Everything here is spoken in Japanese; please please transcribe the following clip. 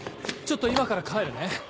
ちょっと今から帰るね。